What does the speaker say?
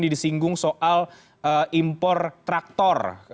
idc pake biar gue diperkati